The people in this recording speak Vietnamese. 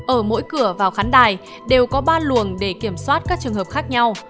ở mỗi cửa vào khán đài đều có ba luồng để kiểm soát các trường hợp khác nhau